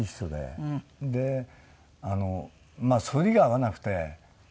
でまあ反りが合わなくて。